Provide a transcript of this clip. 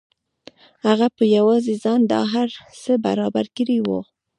هغه په یوازې ځان دا هر څه برابر کړي وو